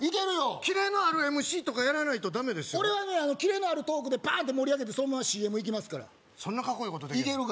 キレのあるＭＣとかやらないとダメですよ俺はキレのあるトークでバンって盛り上げてそのままＣＭいくからそんなカッコイイことできる？